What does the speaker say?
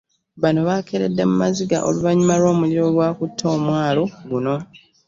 Bano bakeeredde mu maziga oluvannyuma lw'omuliro ogwakutte omwalo guno.